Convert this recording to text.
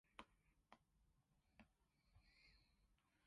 上呼吸道感染